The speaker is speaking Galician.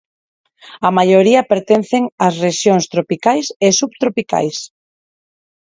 A maioría pertencen ás rexións tropicais e subtropicais.